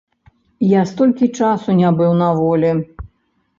Я столькі часу не быў на волі!